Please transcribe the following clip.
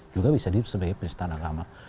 juga bisa di sebut sebagai penistaan agama